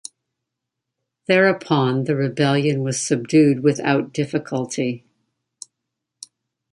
Thereupon the rebellion was subdued without difficulty.